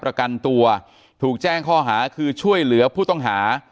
ประกันตัวถูกแจ้งข้อหาคือช่วยเหลือผู้ต้องหา